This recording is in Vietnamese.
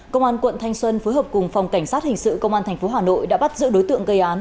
công an quận thanh xuân phối hợp cùng phòng cảnh sát hình sự công an tp hà nội đã bắt giữ đối tượng gây án